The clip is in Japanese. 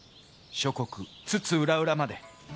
諸国、津々浦々まで。